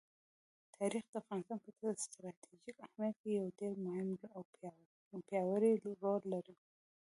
تاریخ د افغانستان په ستراتیژیک اهمیت کې یو ډېر مهم او پیاوړی رول لري.